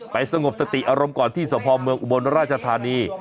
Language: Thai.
สงบสติอารมณ์ก่อนที่สมภาพเมืองอุบลราชธานี